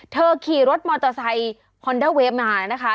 ขี่รถมอเตอร์ไซค์ฮอนด้าเวฟมานะคะ